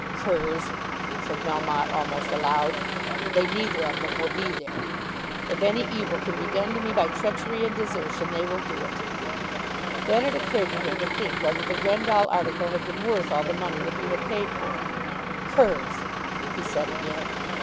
"Curs!" said Melmotte almost aloud. "They neither of them will be there. If any evil can be done to me by treachery and desertion, they will do it." Then it occurred to him to think whether the Grendall article had been worth all the money that he had paid for it. "Curs!" he said again.